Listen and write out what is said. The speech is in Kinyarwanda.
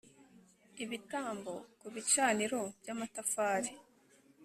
ibitambo ku bicaniro by amatafari